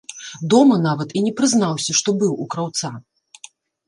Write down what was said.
Дома нават і не прызнаўся, што быў у краўца.